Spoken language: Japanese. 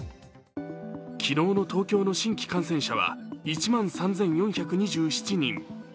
昨日の東京の新規感染者は１万３４２７人。